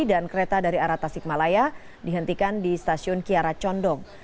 dan kereta dari arah tasikmalaya dihentikan di stasiun kiara condong